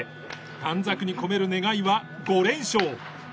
短冊に込める願いは、５連勝。